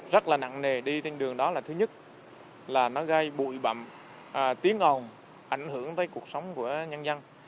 rất là nặng nề đi trên đường đó là thứ nhất là nó gây bụi bậm tiếng ồn ảnh hưởng tới cuộc sống của nhân dân